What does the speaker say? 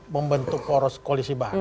membentuk koalisi baru